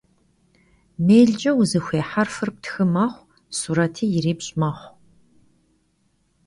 Mêlç'e vuzıxuêy herfır ptxı mexhu, sureti yiripş' mexhu.